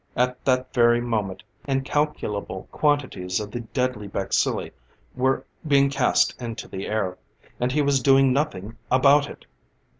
At that very moment incalculable quantities of the deadly bacilli were being cast into the air. And he was doing nothing about it!